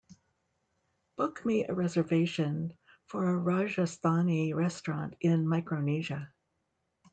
Book me a reservation for a rajasthani restaurant in Micronesia